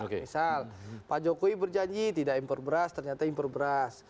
misal pak jokowi berjanji tidak impor beras ternyata impor beras